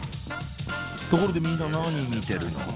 ところでみんな何見てるの？